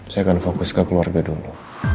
saya akan fokus ke keluarga dulu